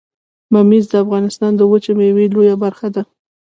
ممیز د افغانستان د وچې میوې لویه برخه ده